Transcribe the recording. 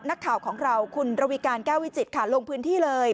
นักข่าวของเราคุณระวีการแก้ววิจิตค่ะลงพื้นที่เลย